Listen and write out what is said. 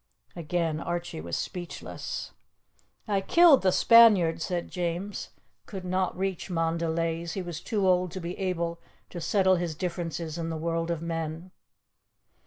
Again Archie was speechless. "I killed the Spaniard," said James. "I could not reach Montdelys; he was too old to be able to settle his differences in the world of men."